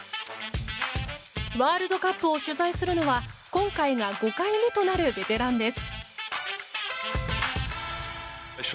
ワールドカップを取材するのは今回が５回目となるベテランです。